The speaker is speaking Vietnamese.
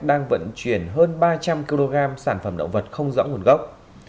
đang vận chuyển hơn ba trăm linh kg sản phẩm động vật không rõ nguồn gốc